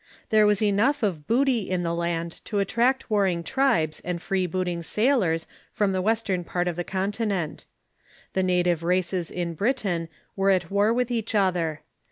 There was enough of booty in the land to attract warring tribes and freebooting sailors from the western part of the Continent. The native races in Britain were at war with each other.